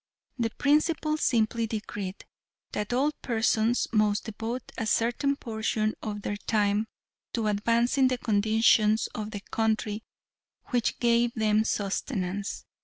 The principle simply decreed, that all persons must devote a certain portion of their time to advancing the conditions of the country which gave them sustenance.